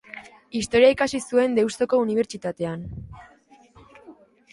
Historia ikasi zuen Deustuko Unibertsitatean.